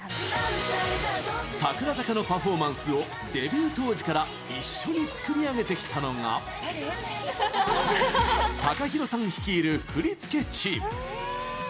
櫻坂のパフォーマンスをデビュー当時から一緒に作り上げてきたのがＴＡＫＡＨＩＲＯさん率いる振り付けチーム。